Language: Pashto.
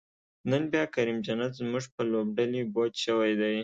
نن بیا کریم جنت زمونږ په لوبډلی بوج شوی دی